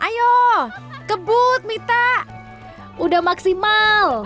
ayo kebut mita udah maksimal